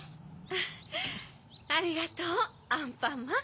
ウフっありがとうアンパンマン。